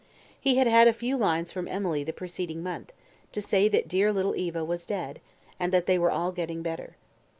He had had a few lines from Emily the preceding month, to say that dear little Eva was dead, and that they were all getting better.